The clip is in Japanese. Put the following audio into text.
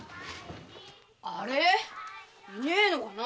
あれ居ねえのかな？